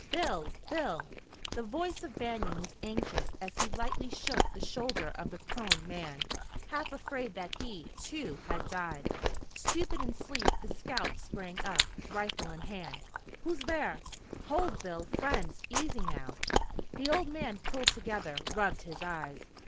"Bill! Bill!" The voice of Banion was anxious as he lightly shook the shoulder of the prone man, half afraid that he, too, had died. Stupid in sleep, the scout sprang up, rifle in hand. "Who's thar?" "Hold, Bill! Friends! Easy now!" The old man pulled together, rubbed his eyes.